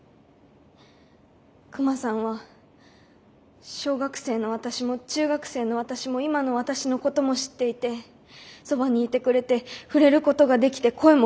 クマさんは小学生の私も中学生の私も今の私のことも知っていてそばにいてくれて触れることができて声も聞けます。